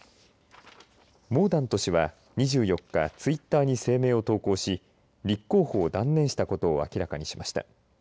モーダント氏は２４日、ツイッターに声明を投稿し、立候補を断念したことを明らかにしました。